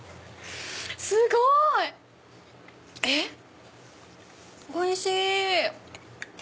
すごい！えっ⁉おいしい！